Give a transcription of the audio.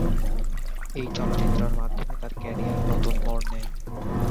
এই চলচ্চিত্রের মাধ্যমে তার ক্যারিয়ার নতুন মোড় নেয়।